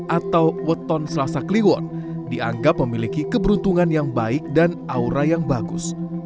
atau wetton selasa kliwon dianggap memiliki keberuntungan yang baik dan aura yang bagus